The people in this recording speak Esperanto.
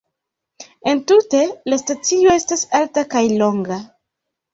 Entute, la stacio estas alta kaj longa.